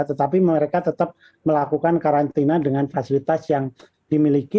tetapi mereka tetap melakukan karantina dengan fasilitas yang dimiliki